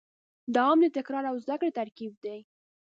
دوام د تکرار او زدهکړې ترکیب دی.